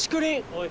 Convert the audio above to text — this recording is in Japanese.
おい。